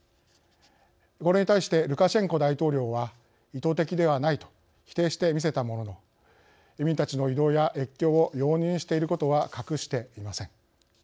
これに対してルカシェンコ大統領は意図的ではないと否定して見せたものの移民たちの移動や越境を容認していることは隠していません。